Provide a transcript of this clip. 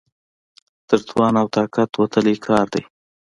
تر توان او طاقت وتلی کار دی.